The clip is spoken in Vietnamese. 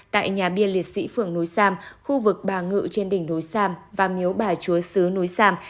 tại nhà biên liệt sĩ phường núi giam khu vực bà ngự trên đỉnh núi giam và miếu bà chúa sứ núi giam